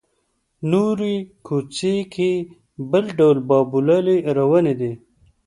نورې کوڅې کې بل ډول بابولالې روانې دي.